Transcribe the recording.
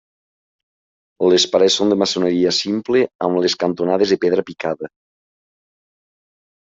Les parets són de maçoneria simple amb les cantonades de pedra picada.